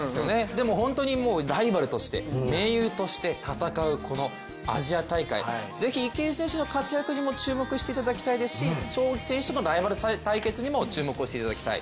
でも本当にライバルとして盟友として戦う、このアジア大会是非池江選手の活躍にも注目していただきたいですし張雨霏選手とのライバル対決にも注目していただきたい。